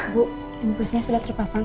bu impusnya sudah terpasang